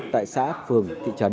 tại xã phường thị trấn